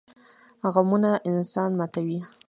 غمونه انسان ماتوي